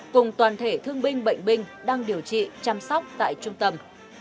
cùng toàn thể thương binh bệnh binh đang điều trị chăm sóc tại trung tâm